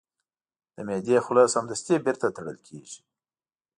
د معدې خوله سمدستي بیرته تړل کېږي.